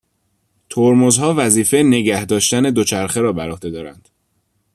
ترمزها وظیفه نگه داشتن دوچرخه را بر عهده دارند.